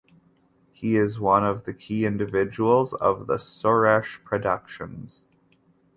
He is one of the key individuals of the Suresh Productions.